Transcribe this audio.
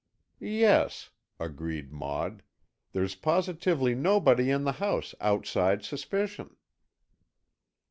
"Yes," agreed Maud, "there's positively nobody in the house outside suspicion."